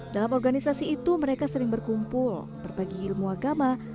dalam organisasi itu mereka sering berkumpul berbagi ilmu agama